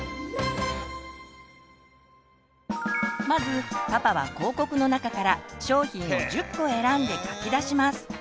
まずパパは広告の中から商品を１０個選んで書き出します。